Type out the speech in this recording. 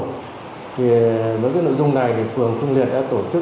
thì với cái nội dung này phường phương liệt đã tổ chức